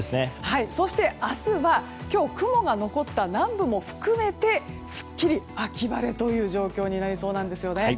そして、明日は今日、雲が残った南部も含めてすっきり秋晴れという状況になりそうなんですよね。